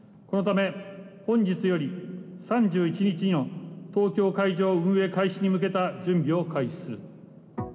このため、本日より３１日の東京会場運営開始に向けた準備を開始する。